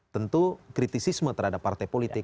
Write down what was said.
tentu kritisisme terhadap partai politik